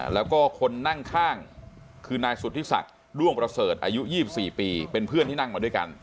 แล้วก็คนนั่งข้างคือนายสุธิศักดิ์ด้วงประเสริฐอายุ๒๔ปีเป็นเพื่อนที่นั่งมาด้วยกัน